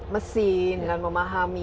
mesin dan memahami